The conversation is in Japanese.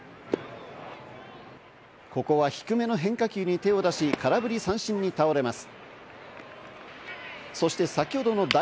ここは低めの変化球に手を出し、空振り三振に倒れます。